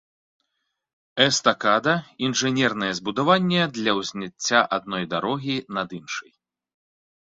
Эстакада — інжынернае збудаванне для ўзняцця адной дарогі над іншай